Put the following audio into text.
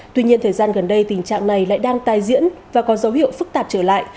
tuy nhiên thời gian gần đây tình trạng này lại đang tai diễn và có dấu hiệu phức tạp trở lại